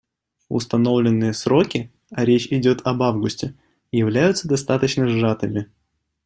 Установленные сроки, а речь идет об августе, являются достаточно сжатыми.